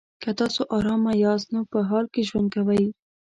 که تاسو ارامه یاست نو په حال کې ژوند کوئ.